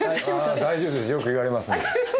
大丈夫ですよく言われます。